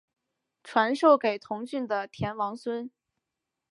传授给同郡的田王孙。